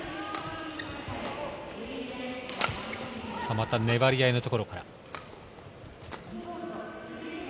また粘り合いのところから。